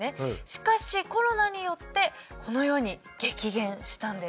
しかしコロナによってこのように激減したんです。